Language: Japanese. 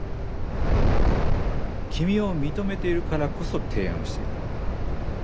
君を認めているからこそ提案しているんだ。